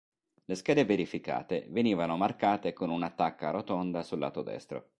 Le schede verificate venivano marcate con una tacca rotonda sul lato destro.